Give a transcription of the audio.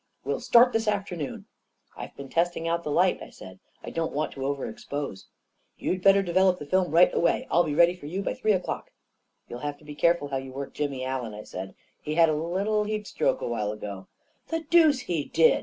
We'll start this afternoon." "I've been testing out the light," I said. "I don't want to over expose." " You'd better develop the film right away. I'll be ready for you by three o'clock." " You'll have to be careful how you work Jimmy Allen," I said. " He had a little heat stroke a while ago. "The deuce he did!"